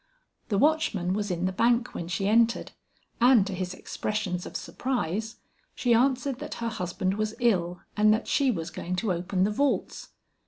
The watchman was in the bank when she entered, and to his expressions of surprise, she answered that her husband was ill and that she was going to open the vaults.